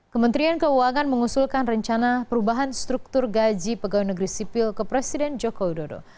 kementerian keuangan mengusulkan rencana perubahan struktur gaji pegawai negeri sipil ke presiden joko widodo